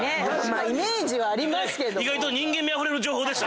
イメージはありますけども。